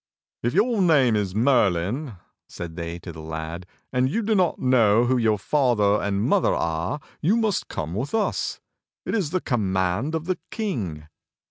"If your name is Merlin," said they to the lad, "and you do not know who your father and mother are, you must come with us. It is the command of the King."